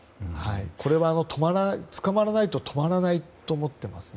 これは捕まらないと止まらないと思っていますね。